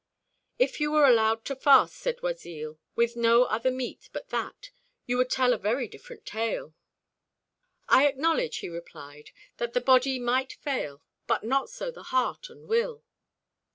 "If you were allowed to fast," said Oisille, "with no other meat but that, you would tell a very different tale." "I acknowledge," he replied, "that the body might fail, but not so the heart and will."